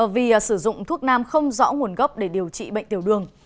vì sử dụng thuốc nam không rõ nguồn gốc để điều trị bệnh tiểu đường